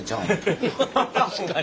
確かに。